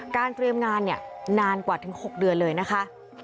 เตรียมงานนานกว่าถึง๖เดือนเลยนะคะ